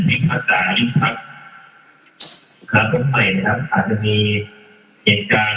และพลัทธ์ทุกข้าพลังไหนอาจจะมีเหตุการณ์